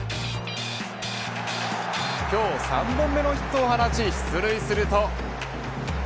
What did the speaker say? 今日３本目のヒットを放ち出塁すると。